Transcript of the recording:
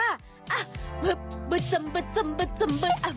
นั่นเอง